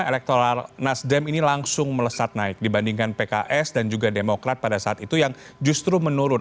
elektoral nasdem ini langsung melesat naik dibandingkan pks dan juga demokrat pada saat itu yang justru menurun